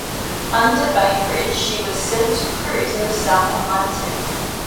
Under Bainbridge, she was sent to cruise in the South Atlantic.